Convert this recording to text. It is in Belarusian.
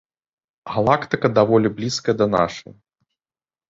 Галактыка даволі блізкая да нашай.